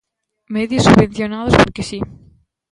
Medios subvencionados porque si.